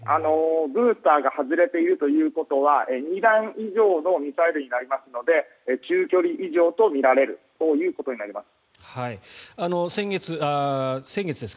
ブースターが外れているということは２段以上のミサイルになりますので中距離以上とみられるということになります。